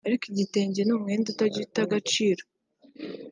Ariko igitenge ni umwenda utajya uta agaciro